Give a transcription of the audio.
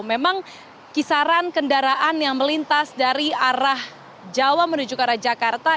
memang kisaran kendaraan yang melintas dari arah jawa menuju ke arah jakarta